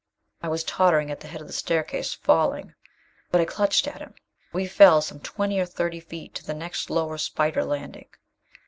I was tottering at the head of the staircase falling. But I clutched at him. We fell some twenty or thirty feet to be next lower spider landing.